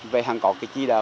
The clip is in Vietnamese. vậy hẳn có cái chi là